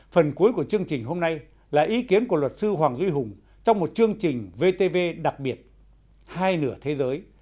phần cuối của chương trình hôm nay là ý kiến của luật sư hoàng duy hùng trong một chương trình vtv đặc biệt hai nửa thế giới